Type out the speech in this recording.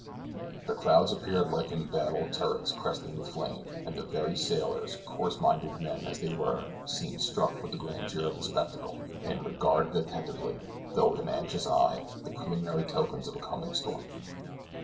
The clouds appeared like embattled turrets crested with flame, and the very sailors, coarse minded men as they were, seemed struck with the grandeur of the spectacle, and regarded attentively, though with an anxious eye, the preliminary tokens of a coming storm.